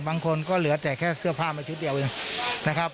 บางคนก็เหลือแต่แค่เสื้อผ้ามาชุดเดียวเองนะครับ